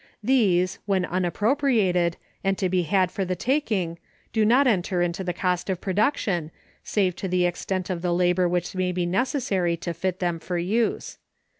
These, when unappropriated, and to be had for the taking, do not enter into the cost of production, save to the extent of the labor which may be necessary to fit them for use.